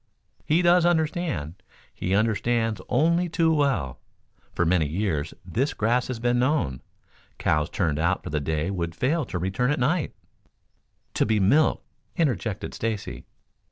"He does understand. He understands only too well. For many years this grass has been known. Cows turned out for the day would fail to return at night " "To be milked," interjected Stacy.